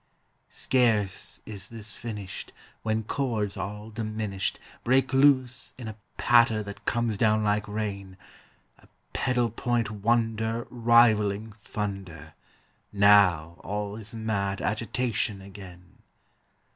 Scarce is this finished When chords all diminished Break loose in a patter that comes down like rain, A pedal point wonder Rivaling thunder. Now all is mad agitation again.